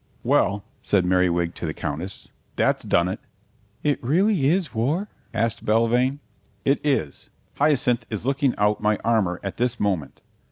"Well," said Merriwig to the Countess, "that's done it." "It really is war?" asked Belvane. "It is. Hyacinth is looking out my armour at this moment."